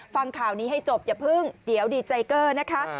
ฟังข่าวนี้ให้จบอย่าเพิ่งเดี๋ยวดีใจเกอร์นะคะ